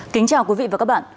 kính chào quý vị và các bạn